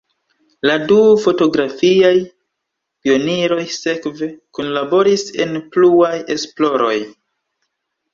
La du fotografiaj pioniroj sekve kunlaboris en pluaj esploroj.